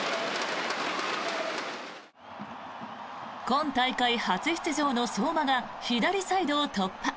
今大会初出場の相馬が左サイドを突破。